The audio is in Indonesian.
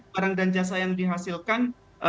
barang dan jasa yang dihasilkan